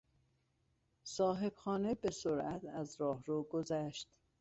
صاحبخانه به سرعت از راهرو گذشت.